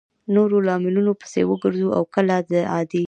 نورو لاملونو پسې وګرځو او کله د عادي